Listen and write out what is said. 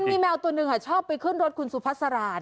ตัวหนึ่งค่ะชอบไปขึ้นรถคุณสุพัศราณ